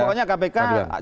yang penting pokoknya kpk